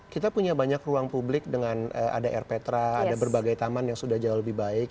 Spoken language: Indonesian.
kita punya banyak ruang publik dengan ada rptra ada berbagai taman yang sudah jauh lebih baik